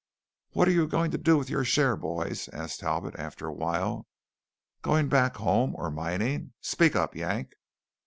"What are you going to do with your shares, boys?" asked Talbot after a while. "Going back home, or mining? Speak up, Yank."